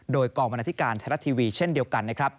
โดยกองบัญฐการเทฬทีวีเช่นเดียวกัน